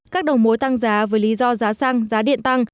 các đồng mối tăng giá với lý do giá xăng giá điện tăng